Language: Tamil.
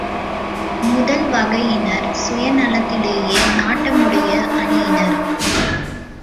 முதல் வகையினர் சுயநலத்திலே நாட்டமுடைய அணியினர்.